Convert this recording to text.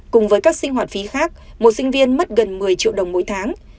cùng với các sinh hoạt phí khác một sinh viên mất gần một mươi triệu đồng mỗi tháng